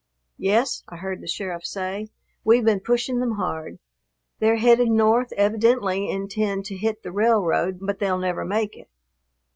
"Yes," I heard the sheriff say, "we've been pushing them hard. They're headed north, evidently intend to hit the railroad but they'll never make it.